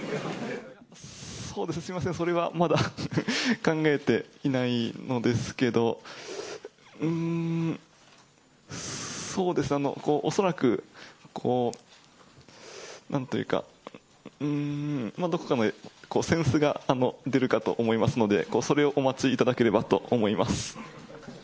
すみません、それはまだ考えていないのですけど、うーん、そうですね、恐らく、なんというか、うーん、どこかで扇子が出るかと思いますので、それをお待ちいただければと思います。